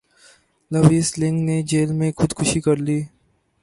Louis لنگ نے jail میں خود کشی کر لی